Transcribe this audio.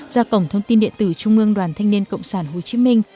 ra cổng thông tin điện tử trung ương đoàn thanh niên cộng sản hồ chí minh